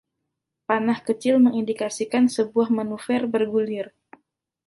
Panah kecil mengindikasikan sebuah manuver bergulir.